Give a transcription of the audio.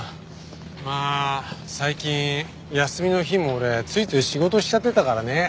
まあ最近休みの日も俺ついつい仕事しちゃってたからね。